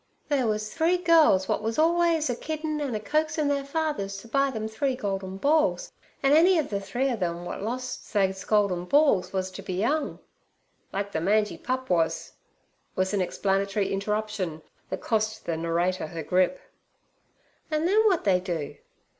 'They wors three girls wot was orlways a kiddin' an' a coaxing their fathers ter buy them three goldin balls, an' any of the three of them wot lostes theys goldin balls was to be 'ung—' 'Like ther mangy pup was' was an explanatory interruption that cost the narrator her grip. 'An' then w'at they do?'